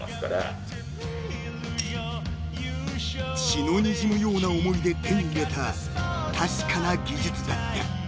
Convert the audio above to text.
［血のにじむような思いで手に入れた確かな技術だった］